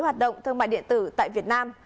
hoạt động thương mại điện tử tại việt nam